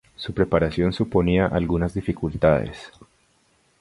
Su preparación suponía algunas dificultades.